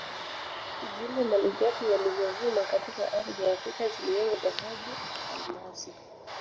Zile malighafi walizovuna katika ardhi ya Afrika ziliwemo dhahabu na almasi